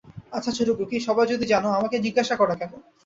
আচ্ছা ছোটোখুকি, সবই যদি জান, আমাকে জিজ্ঞাসা করা কেন?